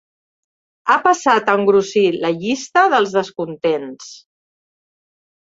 Ha passat a engrossir la llista dels descontents.